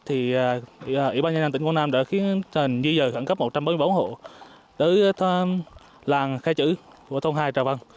thì ủy ban nhân dân tỉnh quảng nam đã khiến dự dời khẩn cấp một trăm bốn mươi bốn hộ tới làng khái chữ thuộc thôn hai trà vân